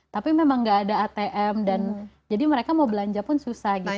tapi memang nggak ada atm dan jadi mereka mau belanja pun susah gitu